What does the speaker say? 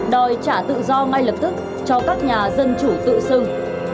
đòi trả tự do ngay lập tức cho các nhà dân chủ tự xưng